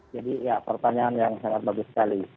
jadi ya pertanyaan yang sangat bagus sekali